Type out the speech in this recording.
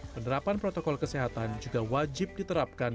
penerapan protokol kesehatan juga wajib diterapkan